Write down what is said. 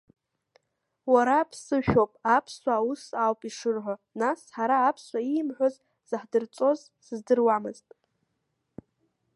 Уара аԥсышәоуп, аԥсуаа ус ауп ишырҳәо, нас ҳара аԥсуа иимҳәоз заҳдырҵоз сыздыруамызт.